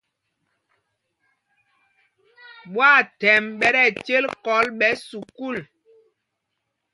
Ɓwaathɛmb ɓɛ tí ɛcêl kɔl ɓɛ̌ sukûl.